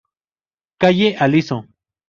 Calle Aliso.